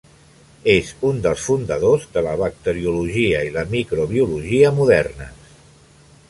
És un dels fundadors de la bacteriologia i la microbiologia modernes.